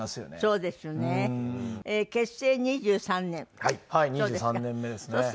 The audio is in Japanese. ２３年目ですね。